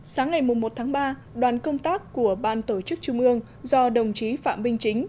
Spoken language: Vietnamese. sáng ngày một tháng ba đoàn công tác của ban tổ chức trung ương do đồng chí phạm minh chính